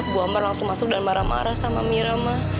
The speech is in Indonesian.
bu amar langsung masuk dan marah marah sama mira mah